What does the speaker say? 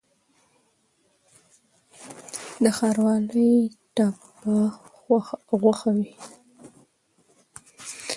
د ښاروالۍ ټاپه په غوښه وي؟